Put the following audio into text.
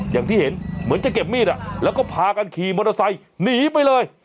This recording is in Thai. อย่างที่เห็นเหมือนจะเก็บมีดแล้วก็พากันขี่มอเตอร์ไซค์หนีไปเลย